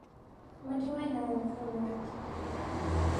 What do I know of the world?